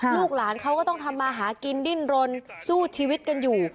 ลูกหลานเขาก็ต้องทำมาหากินดิ้นรนสู้ชีวิตกันอยู่